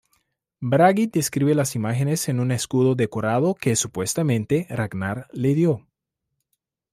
Bragi describe las imágenes en un escudo decorado que, supuestamente, Ragnar le dio.